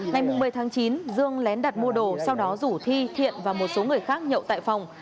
ngày một mươi tháng chín dương lén đặt mua đồ sau đó rủ thi thiện và một số người khác nhậu tại phòng